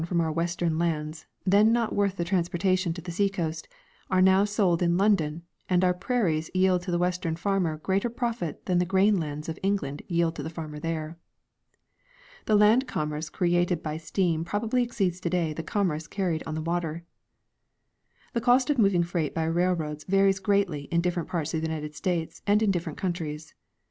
from our western lands, then not worth the transportation to the sea coast, are now sold in London, and our prairies yield to the western farmer greater profit than the grain lands of England yield to the farmer there. The land commerce created by steam probably exceeds today the commerce carried on the water. The cost of moving freight by railroads varies greatly in different parts of the United States and in different countries.